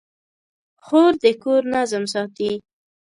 خور د کور نظم ساتي.